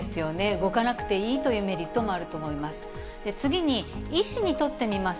動かなくていいというメリットもあると思います。